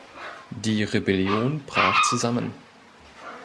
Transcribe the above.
Die Rebellion brach zusammen.